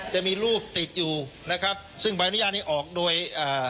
จะมีรูปติดอยู่นะครับซึ่งใบอนุญาตนี้ออกโดยอ่า